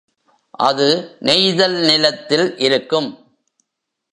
அது நெய்தல் நிலத்தில் இருக்கும்.